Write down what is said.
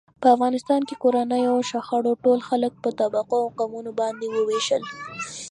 په افغانستان کې کورنیو شخړو ټول خلک په طبقو او قومونو باندې و وېشل.